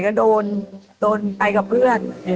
ก็โดนไปกับเพื่อน